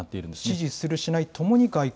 支持する、しないともに外交？